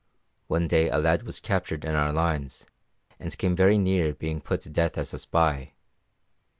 One day a lad was captured in our lines, and came very near being put to death as a spy.